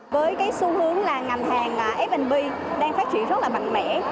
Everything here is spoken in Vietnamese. với cái xu hướng là ngành hàng f b đang phát triển rất là mạnh mẽ